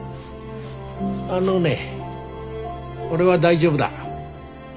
あのね俺は大丈夫だ。